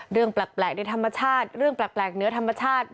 เรื่องแปลกในธรรมชาติเรื่องแปลกเหนือธรรมชาติ